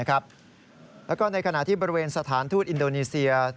แล้วก็ในขณะที่บริเวณสถานทูตอินโดนีเซีย